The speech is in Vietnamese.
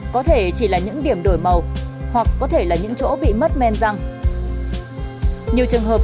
có thể chỉ là những điểm đổi màu hoặc có thể là những chỗ bị mất men răng nhiều trường hợp